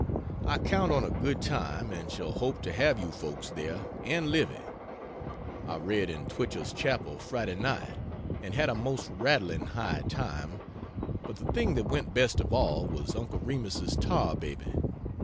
I count on a good time, and shall hope to have you folks there, and Livy. I read in Twichell's chapel Friday night and had a most rattling high time but the thing that went best of all was Uncle Remus's Tar Baby.